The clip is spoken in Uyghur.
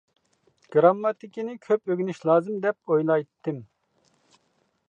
گىرامماتىكىنى كۆپ ئۆگىنىش لازىم دەپ ئويلايتتىم.